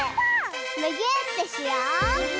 むぎゅーってしよう！